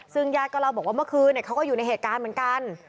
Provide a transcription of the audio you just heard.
ซึ่งญาติก็เล่าบอกว่าเมื่อคืนเขาก็อยู่ในเหตุการณ์เหมือนกัน